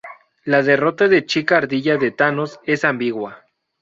La derrota de Chica Ardilla de Thanos es ambigua.